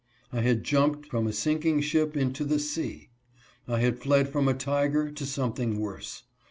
I had jumped from a sinking ship into the sea. I had fled from a tiger to something worse.